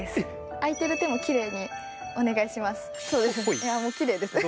空いてる手もきれいにお願いします。